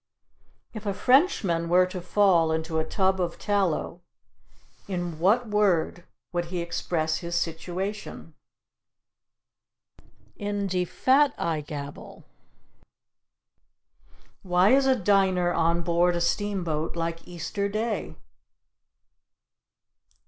If a Frenchman were to fall into a tub of tallow, in what word would he express his situation? In de fat i gabble. (Indefatigable.) Why is a diner on board a steam boat like Easter Day?